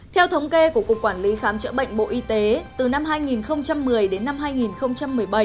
theo thống kê của cục quản lý khám chữa bệnh bộ y tế từ năm hai nghìn một mươi đến năm hai nghìn một mươi bảy